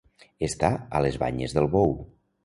Estar a les banyes del bou.